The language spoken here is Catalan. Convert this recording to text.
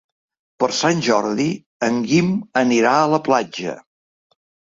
Per Sant Jordi en Guim anirà a la platja.